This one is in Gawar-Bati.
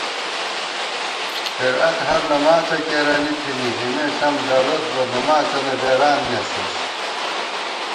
قرأت ہرنماڅہ کېرَنی تھنی، اېمے ݪم دروت بہ نماڅَنہ بېران نېسوئیس